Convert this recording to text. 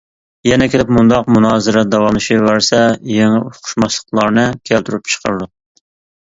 يەنە كېلىپ بۇنداق مۇنازىرە داۋاملىشىۋەرسە يېڭى ئۇقۇشماسلىقلارنى كەلتۈرۈپ چىقىرىدۇ.